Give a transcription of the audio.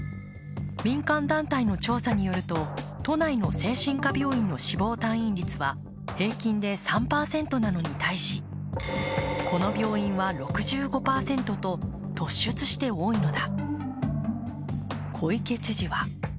民間団体の調査によると、都内の精神科病院の死亡退院率は平均で３％なのに対しこの病院は６５％と突出して多いのだ。